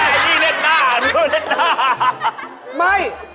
เฮ่ยนี่เล่นด้านี่เล่นด้า